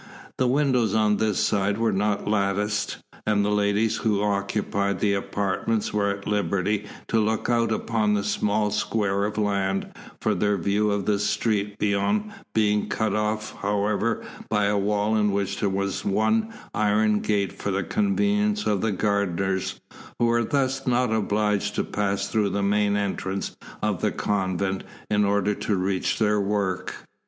The windows on this side were not latticed, and the ladies who occupied the apartments were at liberty to look out upon the small square of land, their view of the street beyond being cut off however by a wall in which there was one iron gate for the convenience of the gardeners, who were thus not obliged to pass through the main entrance of the convent in order to reach their work.